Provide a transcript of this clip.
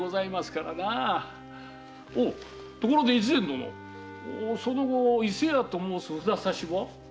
おおところで越前殿その後伊勢屋と申す札差は？